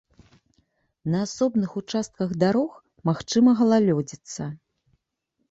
На асобных участках дарог магчыма галалёдзіца.